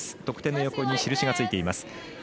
得点の横にしるしがついています。